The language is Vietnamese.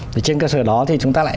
thì trên cơ sở đó thì chúng ta lại